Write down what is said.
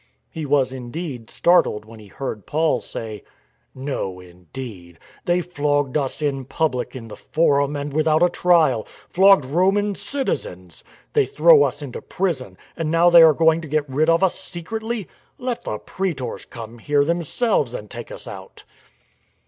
He was indeed startled when he heard Paul say : 198 STORM AND STRESS " No, indeed ! They flogged us in public in the forum, and without a trial; flogged Roman citizens. They throw us into prison. And now they are going to get rid of us secretly ! Let the praetors come here themselves and take us out